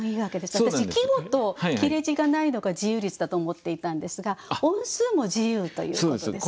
私季語と切れ字がないのが自由律だと思っていたんですが音数も自由ということですか。